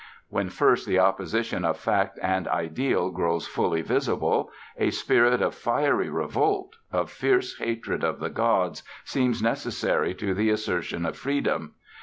When first the opposition of fact and ideal grows fully visible, a spirit of fiery revolt, of fierce hatred of the gods, seems necessary to the assertion of freedom.